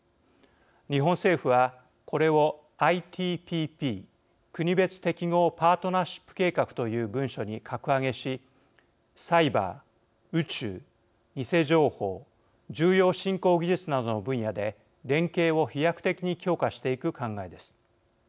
日本政府は、これをＩＴＰＰ＝国別適合パートナーシップ計画という文書に格上げしサイバー、宇宙、偽情報重要新興技術などの分野で連携を飛躍的に強化していく考えです。